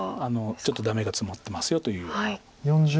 ちょっとダメがツマってますよというような。